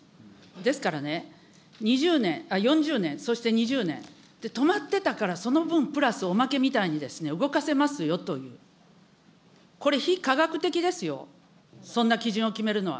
ですからね、２０年、４０年、そして２０年、止まってたからその分プラスおまけみたいに動かせますよという、これ非科学的ですよ、そんな基準を決めるのは。